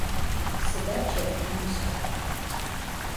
Sıda çetıum ış'ağer?